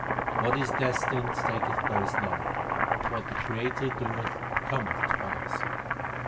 What is destined taketh place, Nanak ; what the Creator doeth cometh to pass.